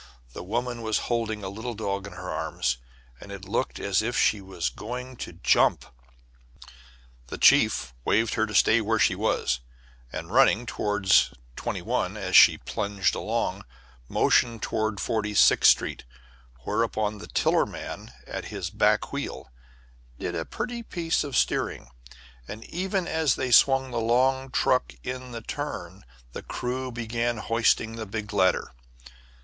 The woman was holding a little dog in her arms, and it looked as if she was going to jump. The chief waved her to stay where she was, and, running toward 21 as she plunged along, motioned toward Forty sixth Street. Whereupon the tiller man at his back wheel did a pretty piece of steering, and even as they swung the long truck in the turn the crew began hoisting the big ladder.